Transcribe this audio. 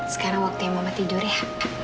sekarang waktu yang mama tidur ya